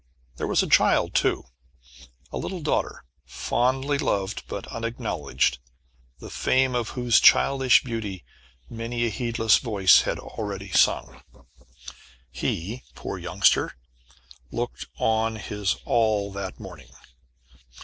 There was a child, too, a little daughter, fondly loved, but unacknowledged, the fame of whose childish beauty many a heedless voice had already sung. He, poor youngster, looked on his all that morning.